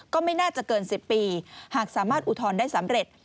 ก็ไม่น่าจะเกิน๑๐ปีหากสามารถอุทธรณ์ได้สำเร็จ